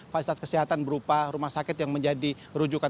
fasilitas kesehatan berupa rumah sakit yang menjadi rujukan